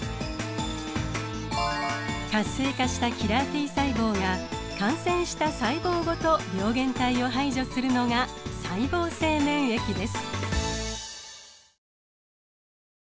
活性化したキラーＴ細胞が感染した細胞ごと病原体を排除するのが細胞性免疫です。